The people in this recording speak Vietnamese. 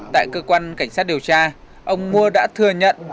tại cơ quan cảnh sát điều tra ông mua đã thừa nhận